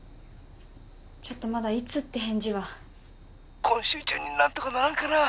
ちょっとまだいつって返事は☎今週中に何とかならんかな？